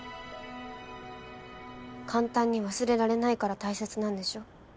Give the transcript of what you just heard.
簡単に忘れられないから大切なんでしょ？